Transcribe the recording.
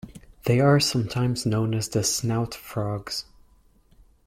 They are sometimes known as the snouted frogs.